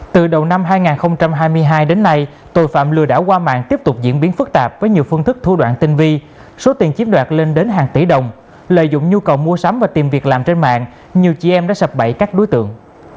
từ đầu năm hai nghìn hai mươi hai đến nay tội phạm lừa đảo qua mạng tiếp tục diễn biến phức tạp với nhiều phương thức thu đoạn tinh vi số tiền chiếm đoạt lên đến hàng tỷ đồng lợi dụng nhu cầu mua sắm và tìm việc làm trên mạng nhiều chị em đã sập bẫy các đối tượng